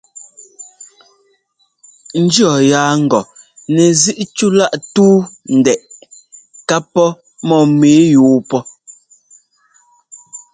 N jʉɔ́ yaa ŋgɔ nɛzíꞌ cúláꞌ túu ndɛꞌɛ ká pɔ́ mɔ́mǐ yúu pɔ́.